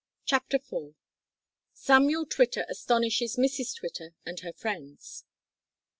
CHAPTER FOUR. SAMUEL TWITTER ASTONISHES MRS. TWITTER AND HER FRIENDS.